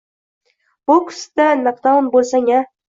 Boksda nakdaun bo’lsang-a.